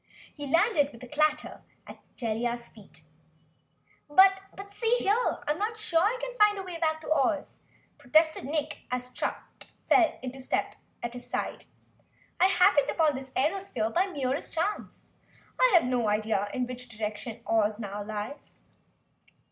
He landed with a clatter at Jellia's feet. "But see here! I am not sure I can find the way back to Oz!" protested Nick Chopper as Strut fell into step at his side. "I happened upon this airosphere by the merest chance, and have no idea in which direction Oz now lies."